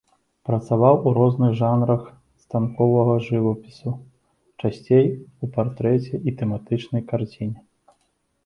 Працаваў у розных жанрах станковага жывапісу, часцей у партрэце і тэматычнай карціне.